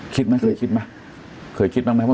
คุณแม่ก็ไม่อยากคิดไปเองหรอก